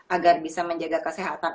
agar bisa menjaga kesehatan